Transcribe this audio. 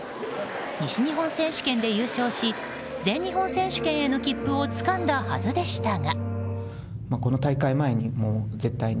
西日本選手権で優勝し全日本選手権への切符をつかんだはずでしたが。